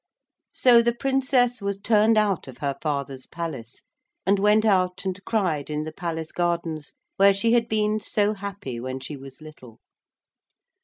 So the Princess was turned out of her father's palace, and went out and cried in the palace gardens where she had been so happy when she was little.